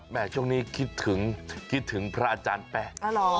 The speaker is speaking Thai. ช่วงนี้คิดถึงคิดถึงพระอาจารย์แป๊ะ